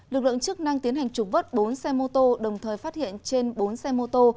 lực lượng chức năng tiến hành trục vất bốn xe mô tô đồng thời phát hiện trên bốn xe mô tô